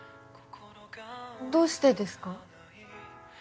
どうしてですか？